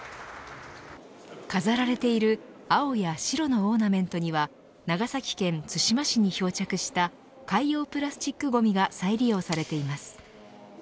飾られている青や白のオーナメントには長崎県対馬市に漂着した海洋プラスチックゴミが再利用されています。